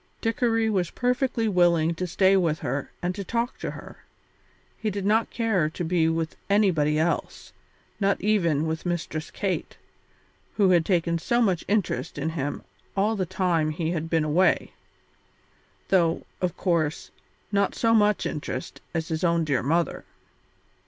Dickory was perfectly willing to stay with her and to talk to her. He did not care to be with anybody else, not even with Mistress Kate, who had taken so much interest in him all the time he had been away; though, of course, not so much interest as his own dear mother.